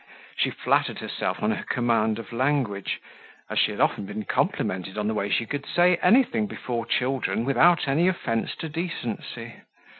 She flattered herself on her command of language, as she had often been complimented on the way she could say anything before children, without any offence to decency.